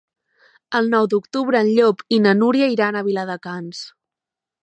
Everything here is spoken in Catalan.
El nou d'octubre en Llop i na Núria iran a Viladecans.